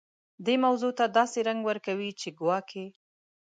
دې موضوع ته داسې رنګ ورکوي چې ګواکې.